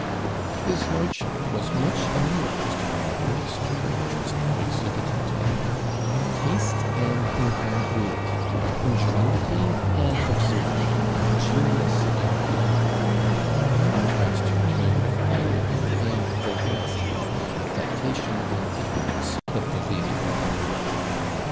His lordship was much amused by the mixture, which was now exhibited to him, of taste and incongruity, ingenuity and absurdity, genius and blunder; by the contrast between the finery and vulgarity, the affectation and ignorance of the lady of the villa.